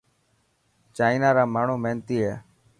چائنا را ماڻهومهينتي هي.